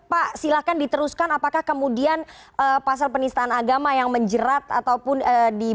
pak silahkan diteruskan apakah kemudian pasal penistaan agama yang menjerat ataupun di